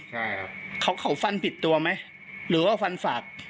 ใช่ครับเขาเขาฟันผิดตัวไหมหรือว่าฟันฝาก